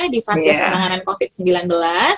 di satya sekarangan covid sembilan belas